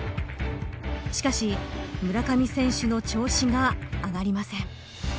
しかし村上選手の調子が上がりません。